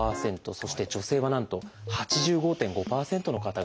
そして女性はなんと８５．５％の方が。